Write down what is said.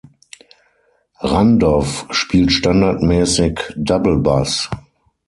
Randow spielt standardmäßig Doublebass.